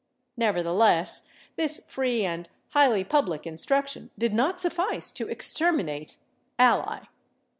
Nevertheless, this free and highly public instruction did not suffice to exterminate /al´ly